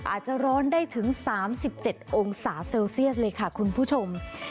อาจจะร้อนได้ถึง๓๗องศาเซลเซียสเลยค่ะคุณผู้ชม